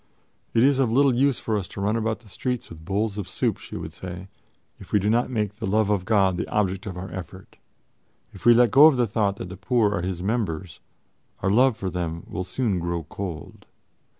"It is of little use for us to run about the streets with bowls of soup," she would say, "if we do not make the love of God the object of our effort. If we let go of the thought that the poor are His members, our love for them will soon grow cold."